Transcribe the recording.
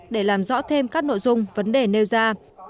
để làm rõ thêm các nội dung vấn đề nêu ra